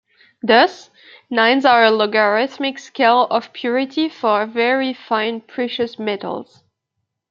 Thus, nines are a logarithmic scale of purity for very fine precious metals.